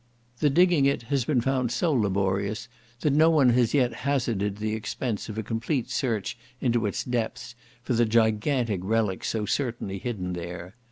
The digging it has been found so laborious that no one has yet hazarded the expense of a complete search into its depths for the gigantic relics so certainly hidden there.